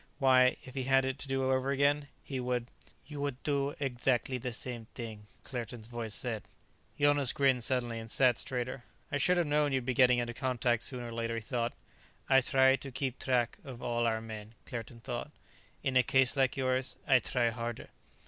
Why, if he had it to do over again, he would "You would do exactly the same thing," Claerten's voice said. Jonas grinned suddenly, and sat straighter. "I should have known you'd be getting into contact sooner or later," he thought. "I try to keep track of all our men," Claerten thought. "In a case like yours, I try harder."